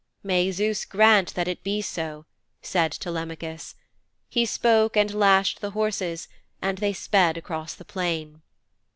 'May Zeus grant that it be so,' said Telemachus. He spoke and lashed the horses, and they sped across the plain.